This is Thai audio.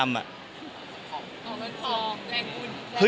อ๋อมันฟองแก่บุญ